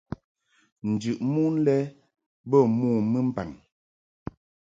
Njɨʼ mon lɛ bə mo mɨmbaŋ.